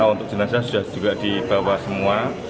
untuk jenazah sudah juga dibawa semua